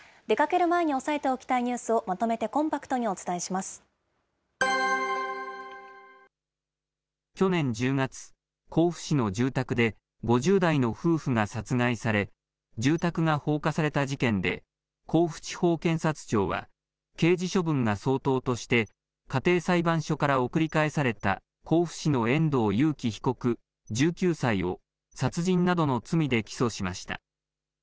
出かける前に押さえておきたいニュースをまとめてコンパクトにお去年１０月、甲府市の住宅で、５０代の夫婦が殺害され、住宅が放火された事件で、甲府地方検察庁は、刑事処分が相当として家庭裁判所から送り返された甲府市の遠藤裕喜被告１９歳を、殺人などの罪で起訴しました。